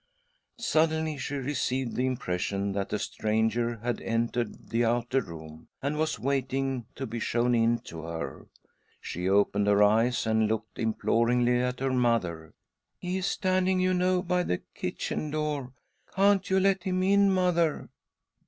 Suddenly she. received the impression that a stranger had entered the outer room, and was waiting to be shown in to her. She opened her eyes and looked imploringly at her mother. "He is standing, you know, by the kitchen door. Can't you let him in, mother